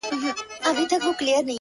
ستا د لپي په رڼو اوبو کي گراني ،